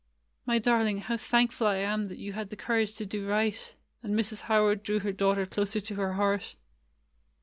''My darling, how thankful I am that you had the courage to do right;" and Mrs. How ard drew her daughter closer to her heart.